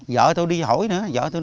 vợ tôi đi hỏi nữa vợ tôi đi hỏi nữa